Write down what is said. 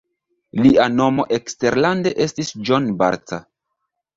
Lia nomo eksterlande estis John Bartha.